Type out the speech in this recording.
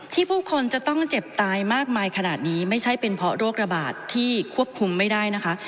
ผู้คนจะต้องเจ็บตายมากมายขนาดนี้ไม่ใช่เป็นเพราะโรคระบาดที่ควบคุมไม่ได้นะคะ